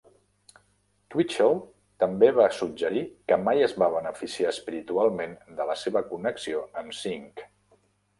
Twitchell també va suggerir que mai es va beneficiar espiritualment de la seva connexió amb Singh.